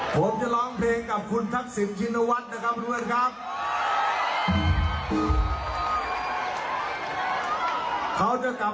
ผมจะร้องเพลงกับคุณทักษิณชินวัฒน์นะครับคุณอ้วนครับ